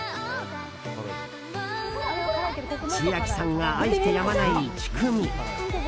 千秋さんが愛してやまないチュクミ。